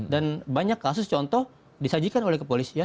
dan banyak kasus contoh disajikan oleh kepolisian